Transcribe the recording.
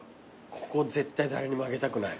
ここ絶対誰にもあげたくない。